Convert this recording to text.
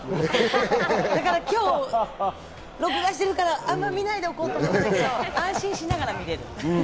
だから今日録画してるからあんまり見ないでおこうと思ってたんだけど、安心して見られる。